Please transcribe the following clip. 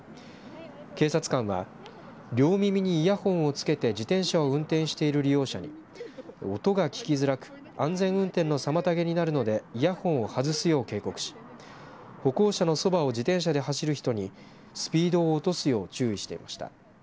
警察官は両耳にイヤホンを着けて自転車を運転している利用者に音が聞きづらく安全運転の妨げになるのでイヤホンを外すよう警告し歩行者のそばを自転車で走る人にスピードを落とすよう注意していました。